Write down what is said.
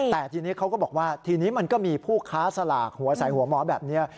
แต่ทีนี้เขาก็บอกว่าทีนี้มันก็มีผู้ค้าสลากหัวใสหัวหมอแบบนี้